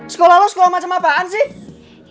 sekolah lo sekolah macam apaan sih